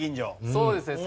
そうですね。